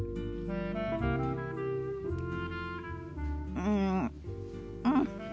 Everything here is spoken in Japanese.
うんうん。